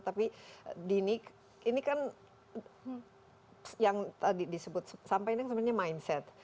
tapi dini ini kan yang tadi disebut sampai ini sebenarnya mindset